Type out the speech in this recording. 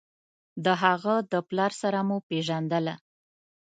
د هغه د پلار سره مو پېژندله.